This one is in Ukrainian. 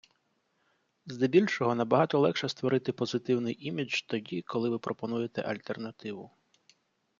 Здебільшого набагато легше створити позитивний імідж тоді, коли ви пропонуєте альтернативу.